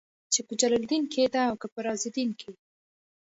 چې په جلال الدين کې ده او که په رازالدين کې.